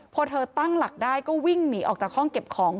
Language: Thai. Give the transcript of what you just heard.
พอเธอตั้งหลักได้ก็วิ่งหนีออกจากห้องเก็บของ